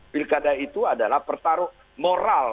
pilkada itu adalah pertarung moral